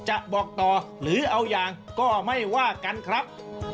จะบอกต่อหรือเอาอย่างก็ไม่ว่ากันครับ